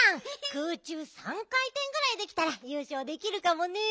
空中３かいてんぐらいできたらゆうしょうできるかもね。